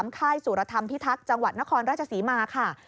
ค่ายสุรธรรมพิทักษ์จังหวัดนครราชศรีมาค่ะ